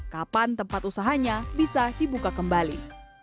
kapan tempat usahanya bisa dibuka kembali